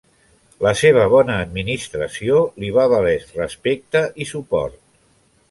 La seva bona administració li va valer respecte i suport.